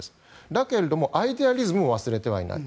だけどもアイデアリズムも忘れてはいない。